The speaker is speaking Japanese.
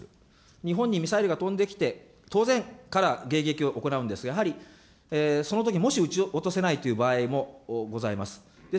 日本にミサイルが飛んできて、当然、から迎撃を行うんですが、やはりそのとき、もし撃ち落とせないという場合もございます。